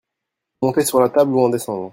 monter sur la table ou en descendre.